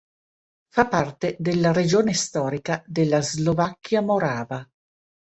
Fa parte della regione storica della Slovacchia morava.